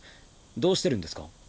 どうしてるんですか？